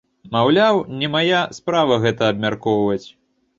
Маўляў, не мая справа гэта абмяркоўваць.